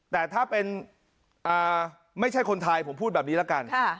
แต่ถ้าเป็นไม่ใช่คนไทยผมพูดแบบนี้ละกัน